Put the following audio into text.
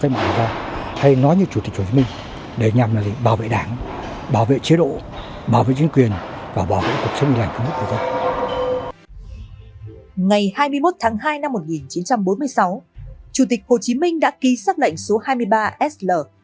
ngày hai mươi một tháng hai năm một nghìn chín trăm bốn mươi sáu chủ tịch hồ chí minh đã ký xác lệnh số hai mươi ba sl